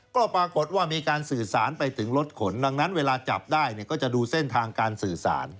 ก็ปรากฏว่ามีการสื่อสารไปถึงรถขนดังนั้นเวลาจับได้เนี่ยก็จะดูเส้นทางการสื่อสาร